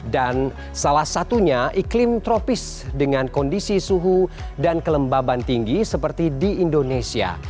dan salah satunya iklim tropis dengan kondisi suhu dan kelembaban tinggi seperti di indonesia